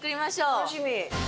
楽しみ。